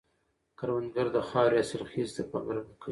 کروندګر د خاورې حاصلخېزي ته پاملرنه کوي